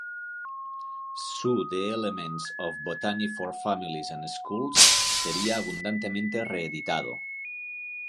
Su "The elements of botany for families and schools" sería abundantemente reeditado.